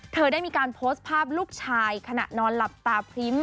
เธอได้มีการโพสต์ภาพลูกชายขณะนอนหลับตาพริ้ม